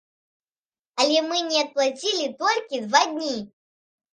Але мы не аплацілі толькі два дні!